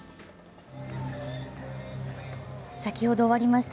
先ほど終わりました